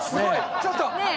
ちょっと。